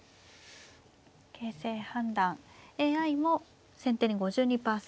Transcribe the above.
形勢判断ＡＩも先手に５２％。